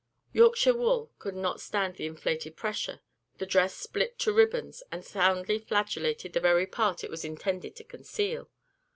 Yorkshire wool could not stand the inflated pressure the dress split to ribbons, and soundly flagellated the very part it was intended to conceal.